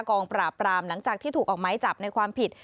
กองปราบปรามหลังจากที่ถูกออกไม้จับในความผิด